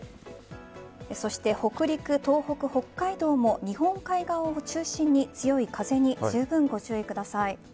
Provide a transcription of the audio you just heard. そして北陸、東北、北海道も日本海側を中心に強い風にじゅうぶんご注意ください。